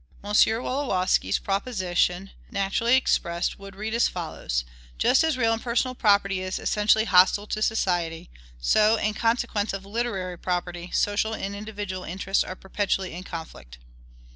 M. Wolowski's proposition, naturally expressed, would read as follows: "Just as real and personal property is essentially hostile to society, so, in consequence of literary property, social and individual interests are perpetually in conflict."